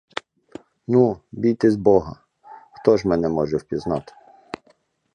Ну, бійтесь бога, хто ж мене може впізнати?